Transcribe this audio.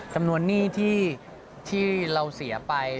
จำนวนหนี้ที่เราเสียไป